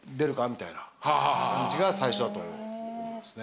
みたいな感じが最初だと。